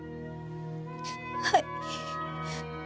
はい。